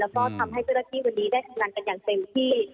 ก็ทำให้เศรษฐีวันนี้ได้ทำงานกันอย่างเต็มที่